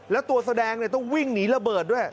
แล้วตัวแสดงต้องวิ่งหนีระเบิดด้วย